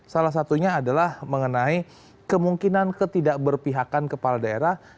salah satunya adalah mengenai kemungkinan ketidakberpihakan kepala daerah